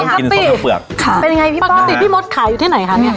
เป็นยังไงค่ะปกติค่ะเป็นยังไงพี่ป้องปกติพี่มดขายอยู่ที่ไหนค่ะเนี้ย